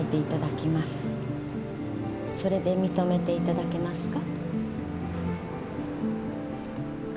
それで認めていただけますか？